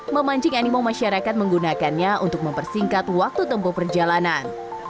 memancing animo masyarakat menggunakannya untuk mempersingkat waktu tempuh perjalanan